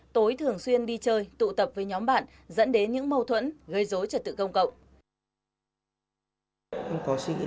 tối thường xuyên đi chơi tụ tập với nhóm bạn dẫn đến những mâu thuẫn gây dối trật tự công cộng